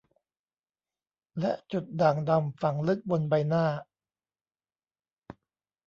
และจุดด่างดำฝังลึกบนใบหน้า